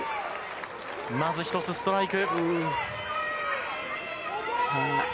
まず１つストライク。